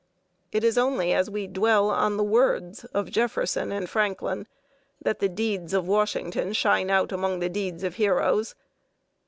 It is only as we dwell on the words of Jefferson and Franklin that the deeds of Washington shine out among the deeds of heroes.